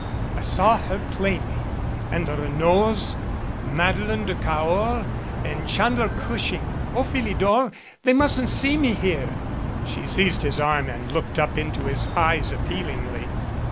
I saw her plainly and the Renauds, Madeleine de Cahors and Chandler Gushing. O Philidor, they mustn't see me here !" She seized his arm and looked up into his eyes appealingly.